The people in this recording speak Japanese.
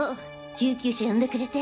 救急車呼んでくれて。